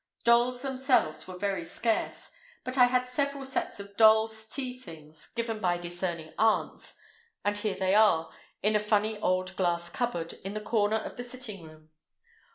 Dolls themselves were very scarce, but I had several sets of dolls' tea things, given by discerning aunts, and here they are, in a funny old glass cupboard in the corner of the sitting room.